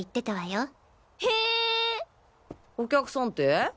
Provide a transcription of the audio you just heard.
お客さんって？